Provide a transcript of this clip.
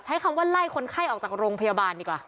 ใช้คำว่าไล่คนไข้ออกจากโรงพยาบาลดีกว่า